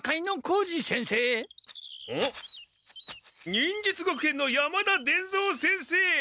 忍術学園の山田伝蔵先生！